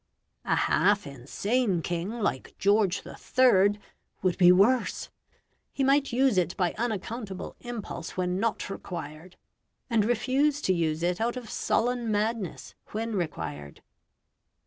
A half insane king, like George III., would be worse. He might use it by unaccountable impulse when not required, and refuse to use it out of sullen madness when required.